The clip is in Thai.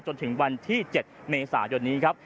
จนถึงวันที่๗เมษายนนี้ครับ